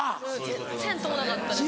全然通んなかったですね。